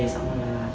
xong rồi là